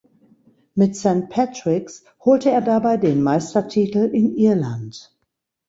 Mit St Patrick’s holte er dabei den Meistertitel in Irland.